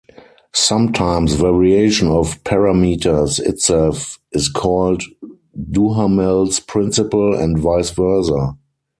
Sometimes variation of parameters itself is called Duhamel's principle and vice versa.